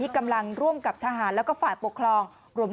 กำลังร่วมกับทหารและฝ่ายปกครอง